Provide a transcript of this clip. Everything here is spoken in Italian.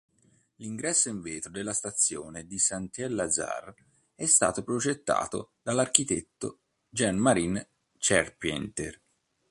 L'ingresso in vetro della stazione di Saint-Lazare est è stato progettato dall'architetto Jean-Marie Charpentier.